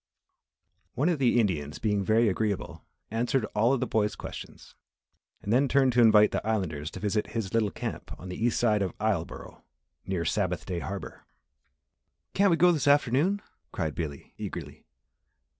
One of the Indians being very agreeable answered all of the boy's questions, and then turned to invite the Islanders to visit his little camp on the east side of Isleboro, near Sabbath Day Harbour. "Can't we go this afternoon?" cried Billy, eagerly.